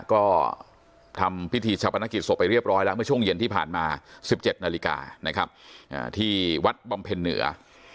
ก็ทำพิธีชาปนกิจศพไปเรียบร้อยแล้วเมื่อช่วงเย็นที่ผ่านมา๑๗นาฬิกานะครับที่วัดบำเพ็ญเหนือ